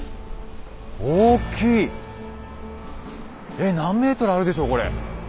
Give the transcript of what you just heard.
えっ何メートルあるでしょうこれ。